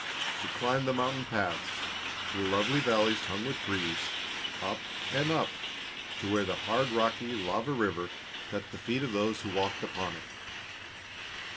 She climbed the mountain paths, through lovely valleys hung with trees, up and up to where the hard rocky lava river cut the feet of those who walked upon it.